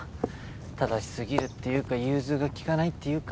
正しすぎるっていうか融通が利かないっていうか。